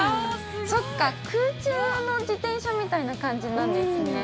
◆そうか、空中の自転車みたいな感じなんですね。